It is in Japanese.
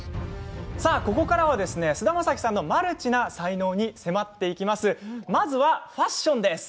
ここからは菅田将暉さんのマルチな才能に迫っていきます。